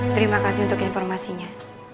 terima kasih untuk informasinya